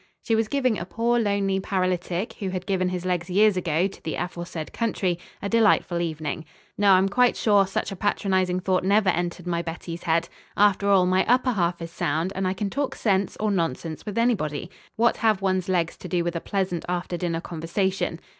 She was giving a poor lonely paralytic, who had given his legs years ago to the aforesaid country, a delightful evening. ... No, I'm quite sure such a patronising thought never entered my Betty's head. After all, my upper half is sound, and I can talk sense or nonsense with anybody. What have one's legs to do with a pleasant after dinner conversation?